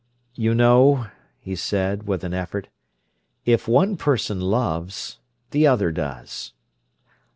"You know," he said, with an effort, "if one person loves, the other does."